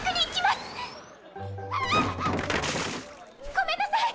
ごめんなさい！